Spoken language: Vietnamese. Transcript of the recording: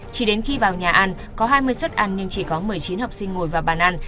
chỉ đến khi vào nhà ăn có hai mươi suất ăn nhưng chỉ có một mươi chín học sinh ngồi vào bàn ăn